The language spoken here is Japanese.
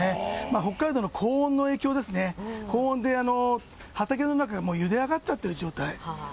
北海道の高温の影響ですね、高温で、畑の中がもうゆで上がっちゃってる状態。